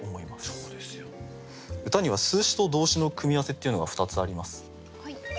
歌には数詞と動詞の組み合わせっていうのが２つあります。